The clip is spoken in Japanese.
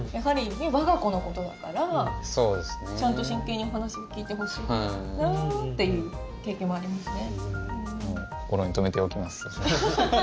我が子のことだからちゃんと真剣にお話を聞いてほしいなという経験はありますね。